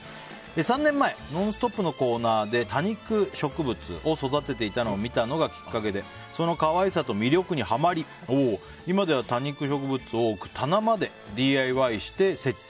３年前「ノンストップ！」のコーナーで多肉植物を育てていたのを見たのがきっかけでその可愛さと魅力にハマり今では多肉植物を置く棚までＤＩＹして設置。